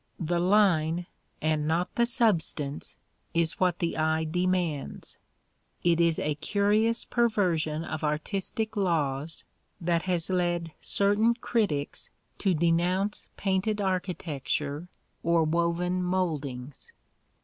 The line, and not the substance, is what the eye demands. It is a curious perversion of artistic laws that has led certain critics to denounce painted architecture or woven mouldings.